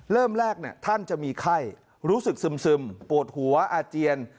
เริ่มแรกท่านจะมีไข้รู้สึกซึมปวดหัวอาเจียน